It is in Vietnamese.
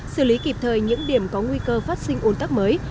xử lý kịp thời những điểm có nguy cơ phát sinh ồn tắc mới